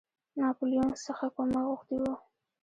ناپولیون څخه کومک غوښتی وو.